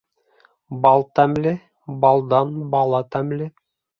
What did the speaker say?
Бал тәмле, балдан бала тәмле.